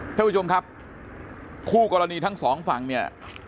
ท่านผู้ชมครับคู่กรณีทั้งสองฝั่งเนี่ย